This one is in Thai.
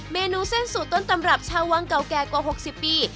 เมนูเส้นสูตรต้นตำรับชาววังเก่าแก่กว่า๖๐ปี